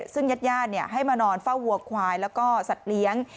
ซึ่งยัดให้มานอนเฝ้าหัวควายแล้วก็สัตว์เลี้ยง